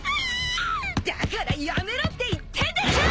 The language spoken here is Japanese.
だからやめろって言ってんでしょ！